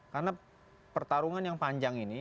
karena pertarungan yang panjang ini